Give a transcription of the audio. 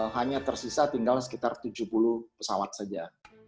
hanya tersisa tinggal sekitar tujuh puluh pesawat saja